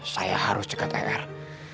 saya harus cekat eros